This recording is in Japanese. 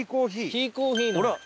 キーコーヒーの。